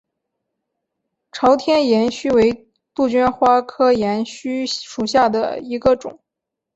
朝天岩须为杜鹃花科岩须属下的一个种。